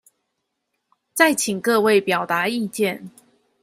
再請各位表達意見